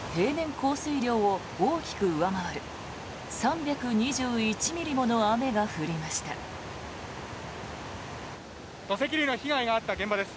降水量を大きく上回る３２１ミリもの雨が降りました。